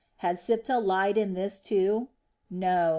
Had Siptah lied in this too? No.